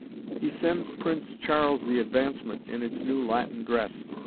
He sends Prince Charles the Advancement in its new Latin dress.